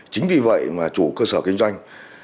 chính vì vậy mà chủ cơ sở kinh doanh